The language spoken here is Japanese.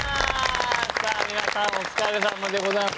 さあ皆さんお疲れさまでございます。